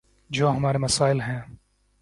جو ہمارے مسائل ہیں۔